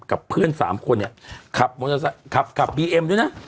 กับเพื่อน๓คนเนี่ยขับบิเอ็มด้วยนะ